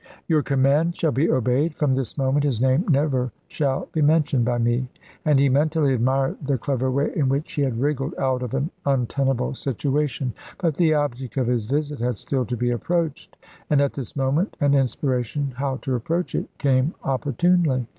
"Your command shall be obeyed. From this moment his name shall never be mentioned by me"; and he mentally admired the clever way in which she had wriggled out of an untenable situation. But the object of his visit had still to be approached, and at this moment an inspiration how to approach it came opportunely.